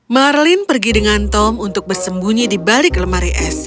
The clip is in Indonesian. marlin pergi dengan tom untuk bersembunyi di balik lemari es